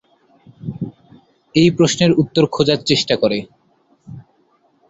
এই প্রশ্নের উত্তর খোঁজার চেষ্টা করে।